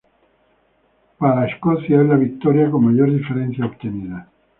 Para Escocia es la victoria con mayor diferencia obtenida.